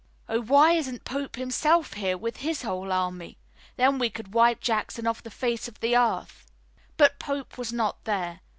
Oh, why isn't Pope himself here with his whole army? Then we could wipe Jackson off the face of the earth!" But Pope was not there.